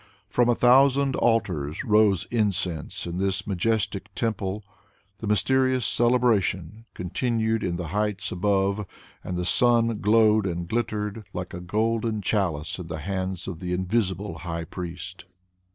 From a thousand altars rose incense in this majestic temple; the mysterious Celebration continued in the heights above and the sun glowed and glittered like a golden chalice in the hands of the invisible high priest.